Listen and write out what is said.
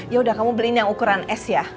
ya udah kamu beliin yang ukuran es ya